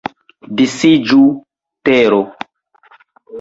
Disiĝu, tero!